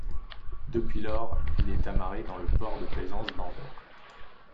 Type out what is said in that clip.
Depuis lors, il est amarré dans le port de plaisance d'Anvers.